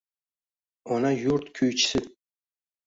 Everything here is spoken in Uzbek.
«Ona yurt kuychisi»